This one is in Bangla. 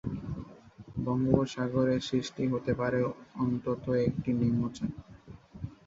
বঙ্গোপসাগরে সৃষ্টি হতে পারে অন্তত একটি নিম্নচাপ।